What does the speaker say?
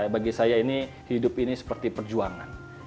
bagi saya ini hidup ini seperti perjuangan